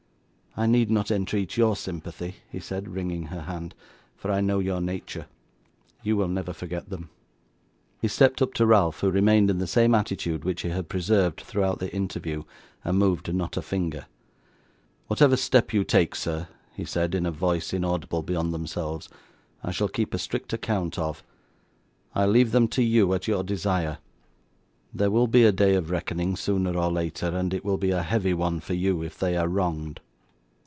'I need not entreat your sympathy,' he said, wringing her hand, 'for I know your nature. You will never forget them.' He stepped up to Ralph, who remained in the same attitude which he had preserved throughout the interview, and moved not a finger. 'Whatever step you take, sir,' he said, in a voice inaudible beyond themselves, 'I shall keep a strict account of. I leave them to you, at your desire. There will be a day of reckoning sooner or later, and it will be a heavy one for you if they are wronged.